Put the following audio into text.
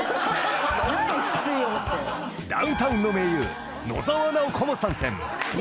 ［ダウンタウンの盟友野沢直子も参戦］